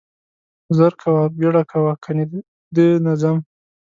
زر کاوه, بيړه کاوه کني ده نه ځم.